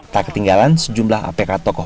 tak ketinggalan sejumlah apk tokoh